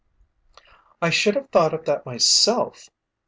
"I should have thought of that myself!